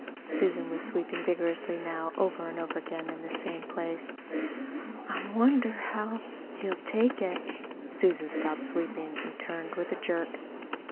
Susan was sweeping vigorously now, over and over again in the same place. "I wonder how he'll take it." Susan stopped sweeping and turned with a jerk.